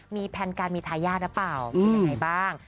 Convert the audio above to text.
มีแผนการมีทายาทรัพย์ครับเปล่าเป็นไงบ้าง